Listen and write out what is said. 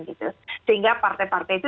gitu sehingga partai partai itu